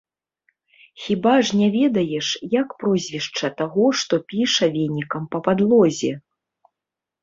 Хіба ж не ведаеш, як прозвішча таго, што піша венікам па падлозе?